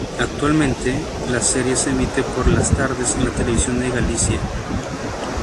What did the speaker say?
Actualmente, la serie se emite por las tardes en la Televisión de Galicia.